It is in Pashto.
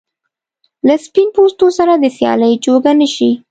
له سپین پوستو سره د سیالۍ جوګه نه شي.